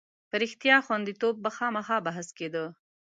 په رښتیا غوندېتوب به خامخا بحث کېده.